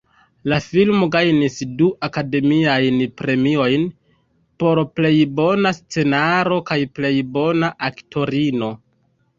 La filmo gajnis du Akademiajn Premiojn, por plej bona scenaro kaj plej bona aktorino.